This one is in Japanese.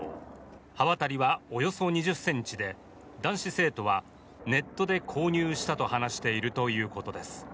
刃渡りはおよそ２０ｃｍで男子生徒はネットで購入したと話しているということです。